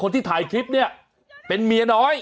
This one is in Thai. ที่ถ่ายคลิปเนี่ยเป็นเมียน้อย